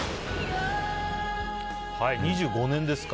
２５年ですか。